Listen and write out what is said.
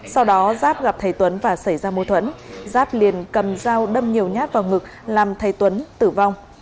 sau đó giáp gặp thầy tuấn và xảy ra mô thuẫn giáp liền cầm dao đâm nhiều nhát vào ngực làm thầy tuấn tử vong